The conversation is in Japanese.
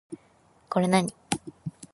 これ何